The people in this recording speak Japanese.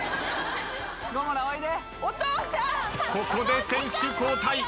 ここで選手交代。